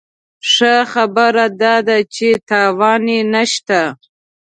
ښه خبره داده چې تاوان یې نه شته.